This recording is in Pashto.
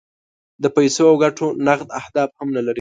د پیسو او ګټو نغد اهداف هم نه لري.